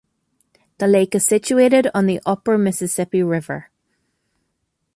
The lake is situated on the upper Mississippi River.